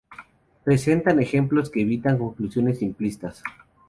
Presentan ejemplos que evitan conclusiones simplistas.